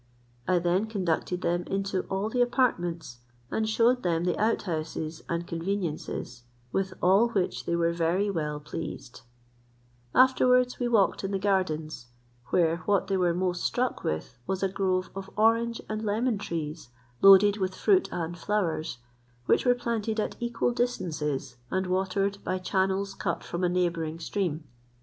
I then conducted them into all the apartments, and shewed them the out houses and conveniences; with all which they were very well pleased Afterwards we walked in the gardens, where what they were most struck with was a grove of orange and lemon trees, loaded with fruit and flowers, which were planted at equal distances, and watered by channels cut from a neighbouring stream.